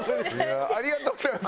ありがとうございます。